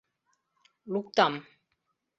Луктам.